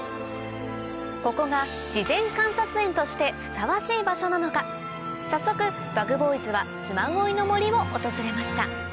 ここが自然観察園としてふさわしい場所なのか早速ＢｕｇＢｏｙｓは嬬恋の森を訪れました